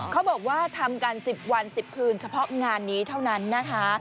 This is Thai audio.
เขาบอกว่าทำกัน๑๐วัน๑๐คืนเฉพาะงานนี้เท่านั้นนะคะ